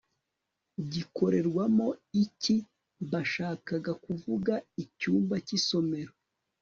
gikorerwamo iki bashakaga kuvuga icyumba cy isomero